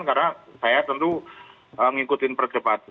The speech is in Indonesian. karena saya tentu mengikuti perdebatan